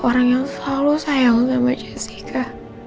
orang yang selalu sayang sama jessica